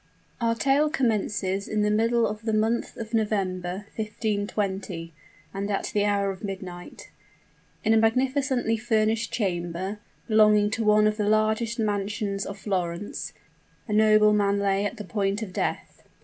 Our tale commences in the middle of the month of November, 1520, and at the hour of midnight. In a magnificently furnished chamber, belonging to one of the largest mansions of Florence, a nobleman lay at the point of death.